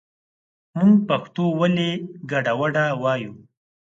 مونږ پښتو ولې ګډه وډه وايو